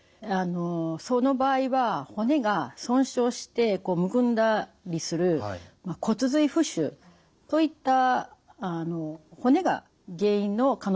その場合は骨が損傷してむくんだりする骨髄浮腫といった骨が原因の可能性もあります。